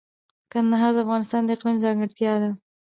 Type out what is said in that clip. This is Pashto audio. کندهار د افغانستان د اقلیم ځانګړتیا ده.